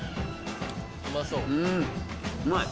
うんうまい。